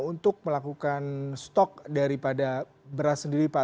untuk melakukan stok daripada beras sendiri pak